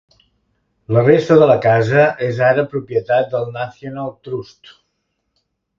La resta de la casa és ara propietat del National Trust.